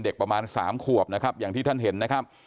ประมาณ๓ขวบนะครับอย่างที่ท่านเห็นนะครับ